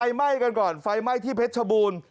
ไหม้กันก่อนไฟไหม้ที่เพชรชบูรณ์